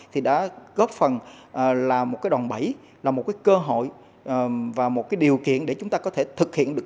thì đã góp phần là một đòn bẫy là một cơ hội và một điều kiện để chúng ta có thể thực hiện được